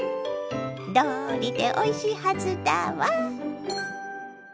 どうりでおいしいはずだわ！